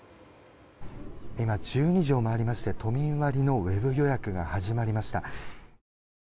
今、１２時を回りまして都民割のウェブ予約が始まりました。